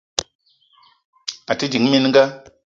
A te ding mininga.